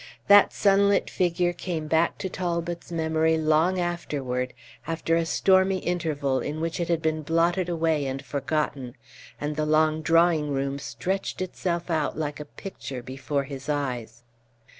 That sunlit figure came back to Talbot's memory long afterward, after a stormy interval, in which it had been blotted away and forgotten, and the long drawing room stretched itself out like a picture before his eyes.